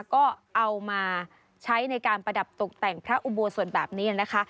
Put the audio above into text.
ก็เอามาใช้ในการประดับตกแต่งพระอุโบสถแบบนี้นะคะ